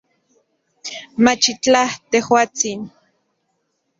Machitlaj, tejuatsin